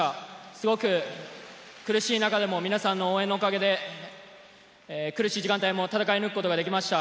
すごく苦しい中でも皆さんの応援のおかげで苦しい時間帯も戦い抜くことができました。